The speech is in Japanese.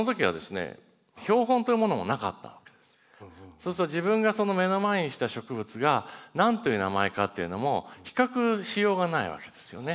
そうすると自分が目の前にした植物が何という名前かっていうのも比較しようがないわけですよね。